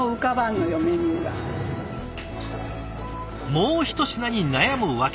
もう一品に悩む訳。